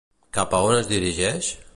Cap a on es dirigeix?